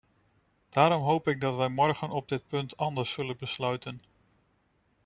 Daarom hoop ik dat wij morgen op dit punt anders zullen besluiten.